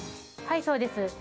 はいそうです。